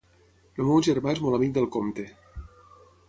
El meu germà és molt amic del compte.